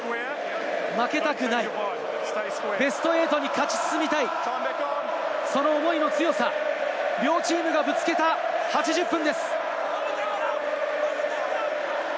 負けたくない、ベスト８に勝ち進みたい、その思いの強さ、両チームがぶつけた８０分です。